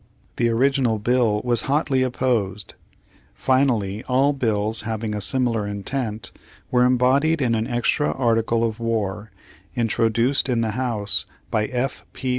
The original bill was hotly opposed. Finally all bills having a similar intent, were embodied in an extra Article of War, introduced in the House by F. P.